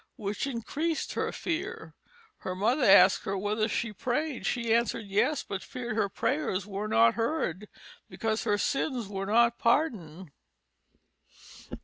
which increas'd her Fear. Her Mother asked her whether she pray'd. She answered Yes, but fear'd her prayers were not heard, because her sins were not pardoned."